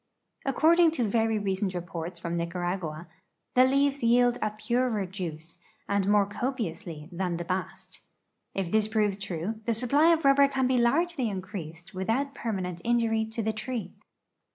According to ver}^ recent re[)orts from Nicaragua, the leaves jdeld a purer juice, and more copiously, than the bast. If this proves true, the sui)ply of rubber can be largely increased with out permanent injury to the tree.